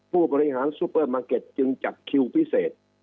ผู้บริหารซูเปอร์มาร์เก็ตจึงจัดคิวพิเศษ